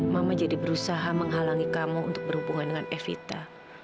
mama jadi berusaha menghalangi kamu untuk berhubungan dengan evita